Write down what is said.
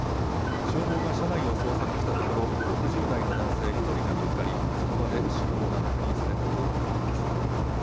消防が車内を捜索したところ、６０代の男性１人が見つかり、その場で死亡が確認されたということです。